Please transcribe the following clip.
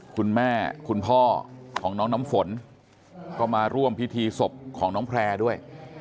คุณพ่อของน้องน้ำฝนก็มาร่วมพิธีศพของน้องแพร่ด้วย